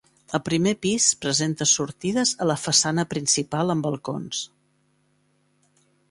El primer pis presenta sortides a la façana principal amb balcons.